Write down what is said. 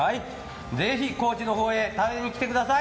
ぜひ高知の方へ食べに来てください。